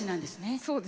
そうです。